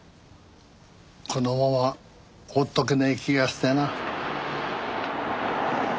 このまま放っとけない気がしてな。